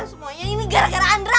semuanya ini gara gara andra